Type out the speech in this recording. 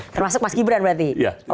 termasuk mas gibran berarti